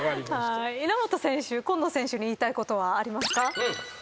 稲本選手今野選手に言いたいことはありますか？